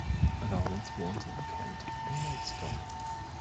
Lawrence wohnt in Kent, in Maidstone.